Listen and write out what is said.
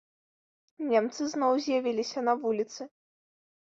Немцы зноў з'явіліся на вуліцы.